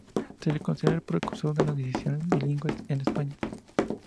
Se le considera el precursor de los diccionarios bilingües en España.